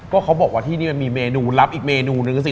ก็เขาบอกว่าที่นี่มันมีเมนูลับอีกเมนูนึงสิ